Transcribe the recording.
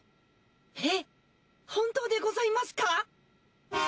えっ本当でございますか！？